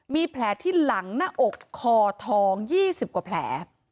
มีแผลที่หลังหน้าอกคอทอง๒๐กว่าแผล